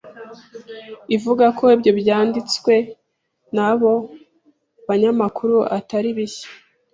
ivuga ko ibyo byanditswe n'abo banyamakuru atari bishya